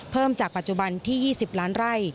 เพิ่มจากปัจจุบันที่๒๐ล้านไร่